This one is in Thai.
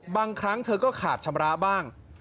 บางครั้งเธอก็ขาดชำระบ้าง